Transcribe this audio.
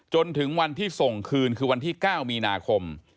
จนถึงวันที่ส่งคืนคือวันที่๙มีนาคม